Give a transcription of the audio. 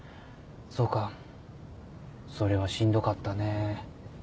そうかそれはしんどかったね。